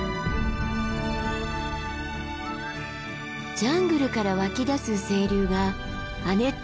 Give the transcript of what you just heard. ジャングルから湧き出す清流が亜熱帯の生き物を育む